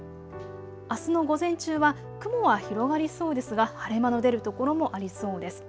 あすの午前中は雲は広がりそうですが晴れ間の出る所もありそうです。